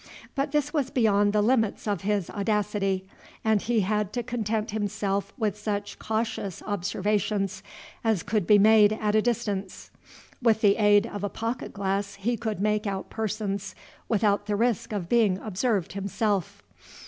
But this was beyond the limits of his audacity, and he had to content himself with such cautious observations as could be made at a distance. With the aid of a pocket glass he could make out persons without the risk of being observed himself.